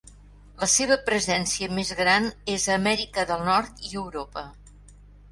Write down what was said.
La seva presència més gran és a Amèrica del Nord i Europa.